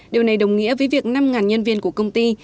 điều này đồng nghĩa với việc năm nhân viên của british steel